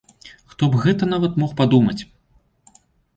Хто б гэта нават мог падумаць!